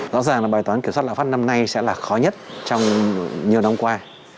rõ ràng là bài toán kiểm soát lãm pháp năm nay sẽ là khó nhất trong nhiều năm qua